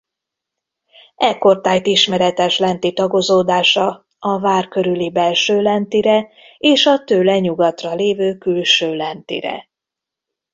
Ekkortájt ismeretes Lenti tagozódása a vár körüli Belső-Lentire és a tőle nyugatra lévő Külső-Lentire.